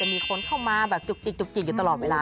จะมีคนเข้ามาแบบจุกจิกอยู่ตลอดเวลา